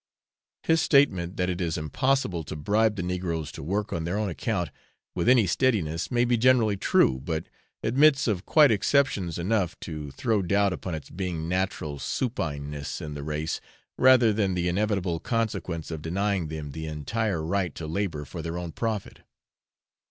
His statement that it is impossible to bribe the negroes to work on their own account with any steadiness may be generally true, but admits of quite exceptions enough to throw doubt upon its being natural supineness in the race rather than the inevitable consequence of denying them the entire right to labour for their own profit.